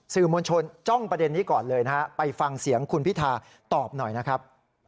สื่อมวลชนจ้องประเด็นนี้ก่อนเลยนะฮะไปฟังเสียงคุณพิธาตอบหน่อยนะครับ